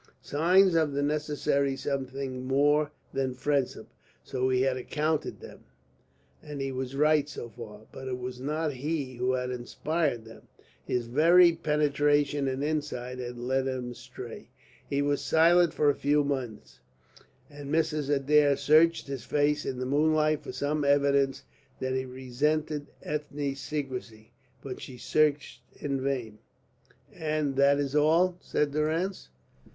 Signs of the necessary something more than friendship so he had accounted them, and he was right so far. But it was not he who had inspired them. His very penetration and insight had led him astray. He was silent for a few minutes, and Mrs. Adair searched his face in the moonlight for some evidence that he resented Ethne's secrecy. But she searched in vain. "And that is all?" said Durrance.